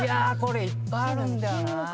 いっぱいあるんだよな。